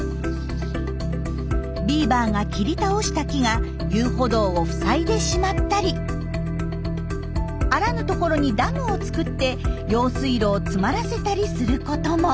ビーバーが切り倒した木が遊歩道を塞いでしまったりあらぬところにダムを作って用水路を詰まらせたりすることも。